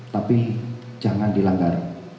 tapi jangan dilanggar